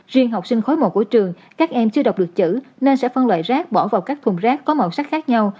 riêng học sinh khối một của trường các em chưa đọc được chữ nên sẽ phân loại rác bỏ vào các thùng rác có màu sắc khác nhau